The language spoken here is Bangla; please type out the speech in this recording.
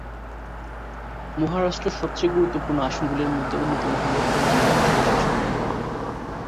মহারাষ্ট্র সবচেয়ে গুরুত্বপূর্ণ আসনগুলির মধ্যে অন্যতম হল কল্যাণ লোকসভা আসন।